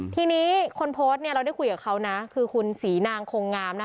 ทีนี้คนโพสต์เนี่ยเราได้คุยกับเขานะคือคุณศรีนางคงงามนะ